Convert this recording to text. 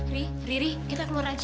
riri riri kita ke rumah aja